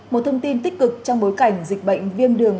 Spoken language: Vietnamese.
một thông tin tích cực trong bối cảnh dịch bệnh viêm đường